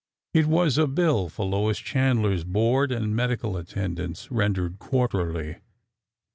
It was a bill for Lois Chandler's board and medical at tendance, rendered quarterly.